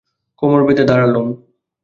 কোমর বেঁধে দাঁড়ালুম।